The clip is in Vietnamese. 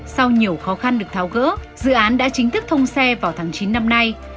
sau nhiều khó khăn được tháo gỡ dự án đã chính thức thông xe vào tháng chín năm nay